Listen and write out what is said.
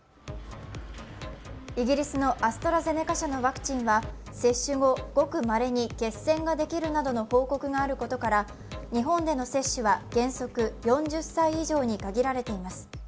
イギリスのアストラゼネカ社のワクチンは、接種後、ごくまれに血栓ができるなどの報告があることから日本での接種は原則４０歳以上に限られています。